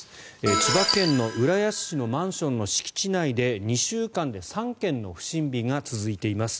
千葉県の浦安市のマンションの敷地内で２週間で３件の不審火が続いています。